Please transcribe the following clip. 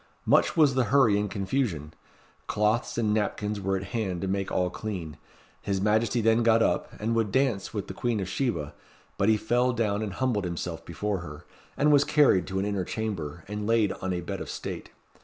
Much was the hurry and confusion. Cloths and napkins were at hand to make all clean. His Majesty then got up, and would dance with the Queen of Sheba; but he fell down and humbled himself before her, and was carried to an inner chamber, and laid on a bed of state.